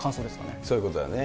そういうことだよね。